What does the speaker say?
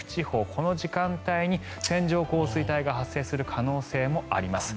この時間帯に線状降水帯が発生する可能性もあります。